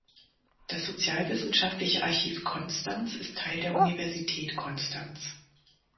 Das Sozialwissenschaftliche Archiv Konstanz ist Teil der Universität Konstanz.